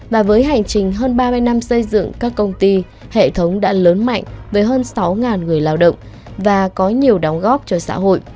và với hành trình hơn ba mươi năm xây dựng các công ty hệ thống đã lớn mạnh với hơn sáu người lao động và có nhiều đóng góp cho xã hội